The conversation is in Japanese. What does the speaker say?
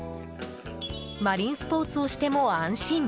マリンスポーツをしても安心。